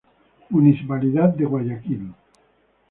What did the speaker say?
Municipalidad de Guayaquil".